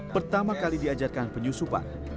pertama kali diajarkan penyusupan